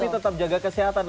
tetap jaga kesehatan